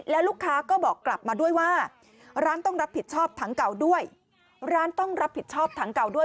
และลูกค้าก็บอกกลับมาด้วยว่าร้านต้องรับผิดชอบทางเก่าด้วย